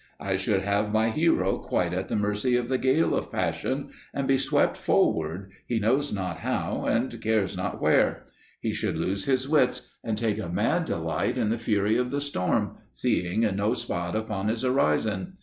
I should have my hero quite at the mercy of the gale of passion, and be swept forward, he knows not how and cares not where; he should lose his wits and take a mad delight in the fury of the storm, seeing no spot upon his horizon.